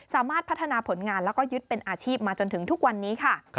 สามารถพัฒนาผลงานแล้วก็ยึดเป็นอาชีพมาจนถึงทุกวันนี้ค่ะ